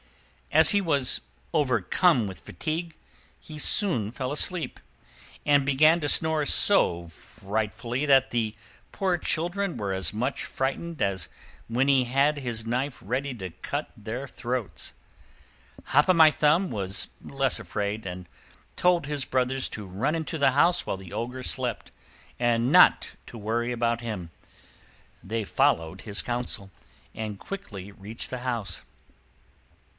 As he was overcome with fatigue, he soon fell asleep, and began to snore so frightfully that the poor children were as much frightened as when he held his knife ready to cut their throats. Hop o' My Thumb was less afraid, and told his brothers to run into the house while the Ogre slept, and not to worry about him. They followed his counsel, and quickly reached the house.